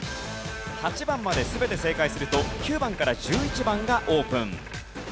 ８番まで全て正解すると９番から１１番がオープン。